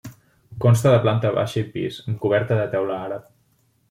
Consta de planta baixa i pis, amb coberta de teula àrab.